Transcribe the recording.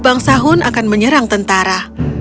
bangsa hun akan menyerang tentara